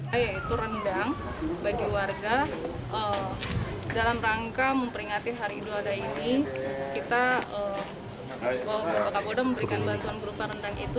saya yaitu rendang bagi warga dalam rangka memperingati hari raya idul adha ini kita bawa bapak bapak boda memberikan bantuan berupa rendang itu